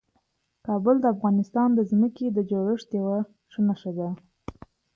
کابل د افغانستان د ځمکې د جوړښت یوه ښه نښه ده.